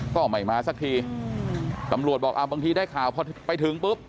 ก็ไม่มาสักทีตำรวจบอกอ่าบางทีได้ข่าวพอไปถึงปุ๊บ